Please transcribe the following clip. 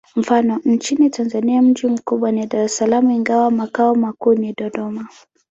Mfano: nchini Tanzania mji mkubwa ni Dar es Salaam, ingawa makao makuu ni Dodoma.